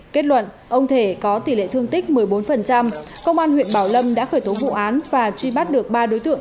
kết luận ông thể có tỷ lệ thương tích một mươi bốn công an huyện bảo lâm đã khởi tố vụ án và truy bắt được ba đối tượng